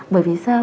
bởi vì sao